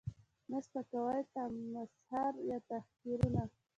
، نه سپکاوی، تمسخر یا تحقیرونه